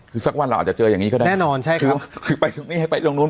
คือสักวันเราอาจจะเจออย่างนี้ก็ได้แน่นอนใช่ครับคือไปตรงนี้ให้ไปตรงนู้น